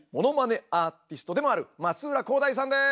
アーティストでもある松浦航大さんです！